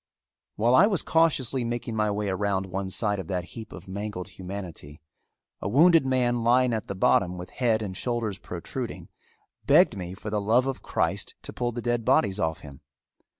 While I was cautiously making my way around one side of that heap of mangled humanity, a wounded man lying at the bottom, with head and shoulders protruding, begged me for the love of Christ to pull the dead bodies off him.